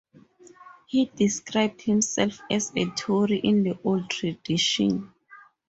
He described himself as "a Tory in the old tradition".